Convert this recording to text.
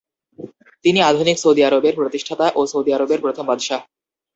তিনি আধুনিক সৌদি আরবের প্রতিষ্ঠাতা ও সৌদি আরবের প্রথম বাদশাহ।